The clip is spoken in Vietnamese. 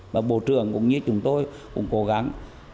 và bộ trưởng cũng như chúng tôi cũng cố gắng